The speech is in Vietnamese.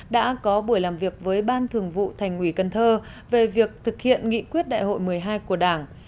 đã có buổi làm việc với ban thường vụ thành ủy cần thơ về việc thực hiện nghị quyết đại hội một mươi hai của đảng